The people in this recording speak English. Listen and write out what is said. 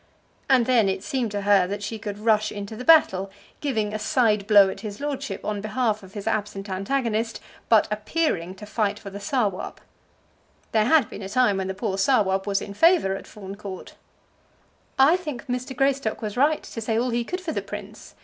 And then it seemed to her that she could rush into the battle, giving a side blow at his lordship on behalf of his absent antagonist, but appearing to fight for the Sawab. There had been a time when the poor Sawab was in favour at Fawn Court. "I think Mr. Greystock was right to say all he could for the prince.